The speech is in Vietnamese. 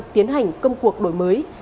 tiến hành công cuộc đổi mới